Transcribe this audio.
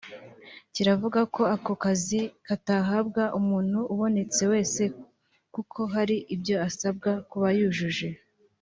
kiravuga ko ako kazi katahabwa umuntu ubonetse wese kuko hari ibyo asabwa kuba yujuje